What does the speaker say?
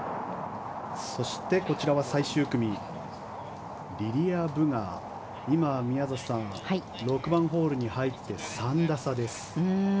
そして、こちらは最終組リリア・ブが今、宮里さん６番ホールに入って３打差です。